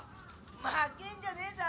負けんじゃねえぞ！